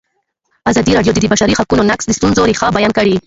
ازادي راډیو د د بشري حقونو نقض د ستونزو رېښه بیان کړې.